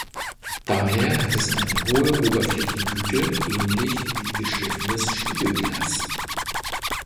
Daher hat es eine hohe Oberflächengüte, ähnlich wie geschliffenes Spiegelglas.